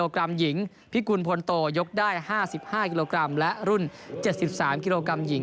กรัมหญิงพิกุลพลโตยกได้ห้าสิบห้ากรัมและรุ่นเจ็ดสิบสามกรัมหญิง